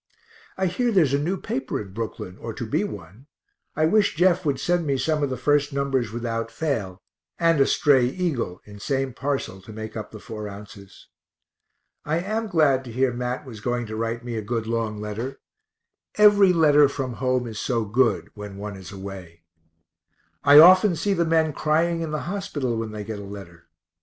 I hear there is a new paper in Brooklyn, or to be one I wish Jeff would send me some of the first numbers without fail, and a stray Eagle in same parcel to make up the 4 ounces. I am glad to hear Mat was going to write me a good long letter every letter from home is so good, when one is away (I often see the men crying in the hospital when they get a letter).